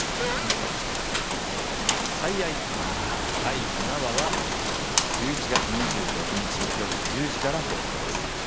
いや違う第７話は１１月２６日よる１０時から放送です